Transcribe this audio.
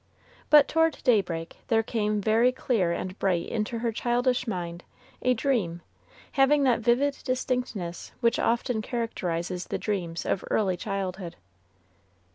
But toward daybreak, there came very clear and bright into her childish mind a dream, having that vivid distinctness which often characterizes the dreams of early childhood.